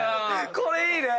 これいいね！